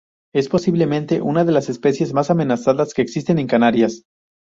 Es posiblemente una de las especies más amenazadas que existen en Canarias.